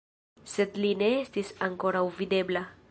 Sed li ne estis ankoraŭ videbla.